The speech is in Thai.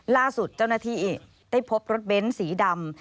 ล่าสุดเจ้าหน้าที่ได้พบรถเบ้นสีดำ